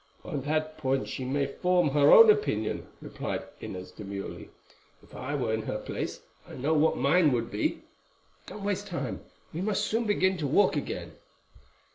"On that point she may form her own opinion," replied Inez demurely. "If I were in her place I know what mine would be. Don't waste time; we must soon begin to walk again."